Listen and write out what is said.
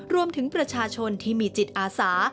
รวมถึงประชาชนที่มีจิตอาสา